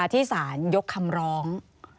ที่สารยกคำร้อง